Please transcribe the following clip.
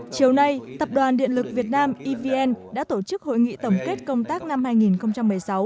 chiều nay tập đoàn điện lực việt nam evn đã tổ chức hội nghị tổng kết công tác năm hai nghìn một mươi sáu